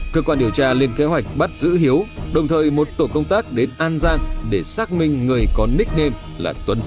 cơ quan điều tra lên kế hoạch bắt giữ hiếu đồng thời một tổ công tác đến an giang để xác minh người có nickname là tuấn vũ